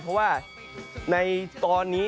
เพราะว่าในตอนนี้